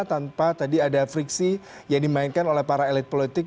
tanpa tadi ada friksi yang dimainkan oleh para elit politik